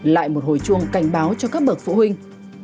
lại một hồi chuông cảnh báo cho các bậc phụ huynh